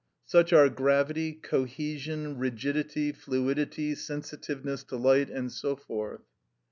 Such are gravity, cohesion, rigidity, fluidity, sensitiveness to light, and so forth.